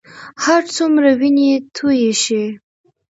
هرڅومره وینې تویې شي.